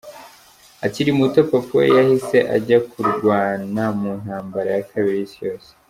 Akiri muto, papa we yahise ajya kurwana mu ntambara ya kabiri y’isi yose.